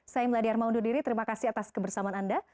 saya meladiarma undur diri terima kasih atas kebersamaan anda